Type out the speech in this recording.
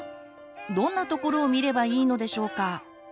どんなところを見ればいいのでしょうか？